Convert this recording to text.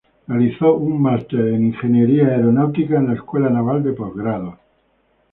Realizó su master en ingeniería aeronáutica en la escuela naval de postgrados.